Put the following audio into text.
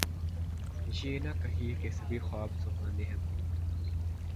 یہ نہ کہیے کہ سبھی خواب سہانے ہیں بہت